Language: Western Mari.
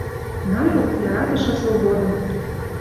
Народ, яратышы свободым